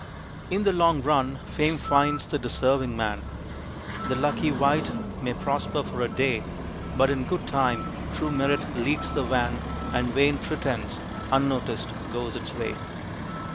In the long run fame finds the deserving man. The lucky wight may prosper for a day, But in good time true merit leads the van, And vain pretense, unnoticed, goes its way.